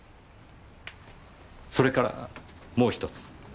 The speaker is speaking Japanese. それからもう１つ。